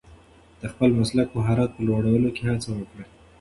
د خپل مسلکي مهارت په لوړولو کې هڅه وکړئ.